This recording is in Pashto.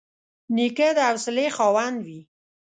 نیکه د حوصلې خاوند وي.